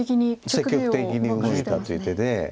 積極的に動いたという手で。